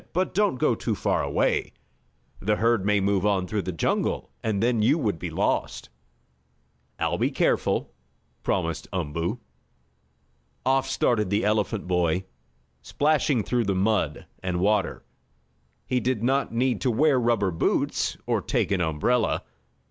But don't go too far away. The herd may move on through the jungle, and then you would be lost." "I'll be careful," promised Umboo. Off started the elephant boy, splashing through the mud and water. He did not need to wear rubber boots, or take an umbrella.